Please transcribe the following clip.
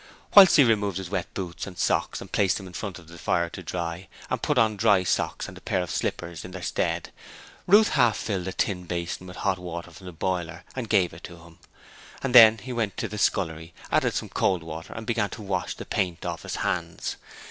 Whilst he removed his wet boots and socks and placed them in front of the fire to dry and put on dry socks and a pair of slippers in their stead, Ruth half filled a tin basin with hot water from the boiler and gave it to him, and he then went to the scullery, added some cold water and began to wash the paint off his hands.